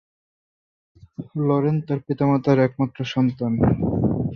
Lauren তার পিতামাতার একমাত্র সন্তান।